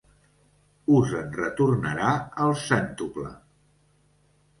Us en retornarà el cèntuple.